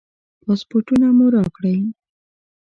پاسپورټونه مو راکړئ.